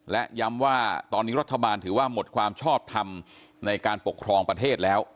และย้ำว่าตอนนี้รัฐบาลถือว่าหมดความชอบทำในการปกครองประเทศแล้ว